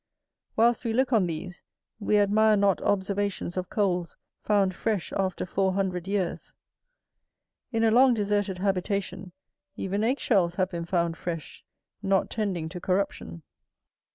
Whilst we look on these, we admire not observations of coals found fresh after four hundred years. In a long deserted habitation even egg shells have been found fresh, not tending to corruption.